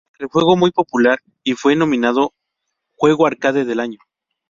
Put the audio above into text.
El juego fue muy popular y fue nominado Juego Arcade del Año.